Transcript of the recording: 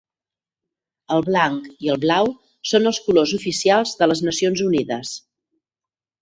El blanc i el blau són els colors oficials de les Nacions Unides.